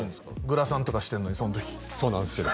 グラサンとかしてんのにその時そうなんですよ